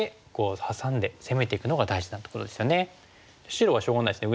白はしょうがないですね。